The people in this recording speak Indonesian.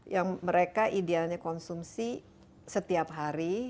yang mereka idealnya konsumsi setiap hari